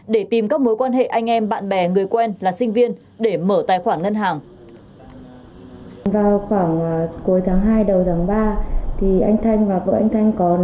để tìm các mối quan hệ anh em bạn bè người quen là sinh viên để mở tài khoản ngân hàng